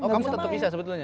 oh kamu tetap bisa sebetulnya